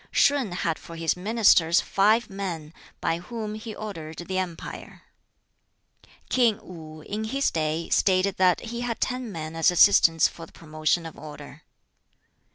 Shun had for his ministers five men, by whom he ordered the empire. King Wu (in his day) stated that he had ten men as assistants for the promotion of order.